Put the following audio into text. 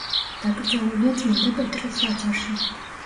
დაკრძალულია წმინდა პეტრეს ტაძარში.